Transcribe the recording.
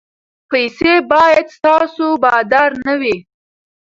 پیسې باید ستاسو بادار نه وي.